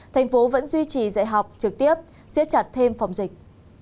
thành phố vẫn duy trì dạy học trực tiếp xếp chặt thêm phòng dịch